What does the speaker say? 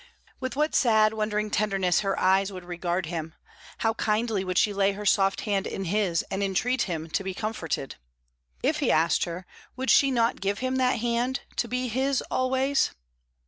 With what sad, wondering tenderness her eyes would regard him! How kindly would she lay her soft hand in his, and entreat him to be comforted! If he asked her, would she not give him that hand, to be his always?